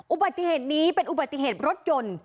อุบัติเหตุนี้เป็นอุบัติเหตุรถยนต์